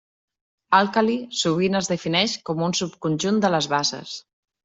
Àlcali sovint es defineix com un subconjunt de les bases.